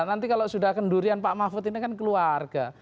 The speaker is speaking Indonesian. nanti kalau sudah kendurian pak mahfud ini kan keluarga